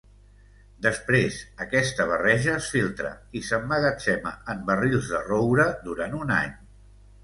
Després, aquesta barreja es filtra i s'emmagatzema en barrils de roure durant un any.